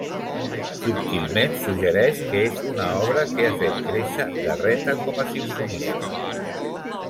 Subtilment suggereix que és una obra que ha fet créixer Garreta com a simfonista.